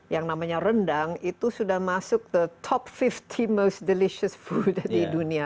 yang namanya rendang itu sudah masuk ke top lima puluh delicious food di dunia